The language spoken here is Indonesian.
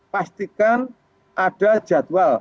pastikan ada jadwal